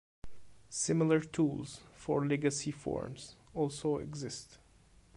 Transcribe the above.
Similar tools for legacy forms also exist.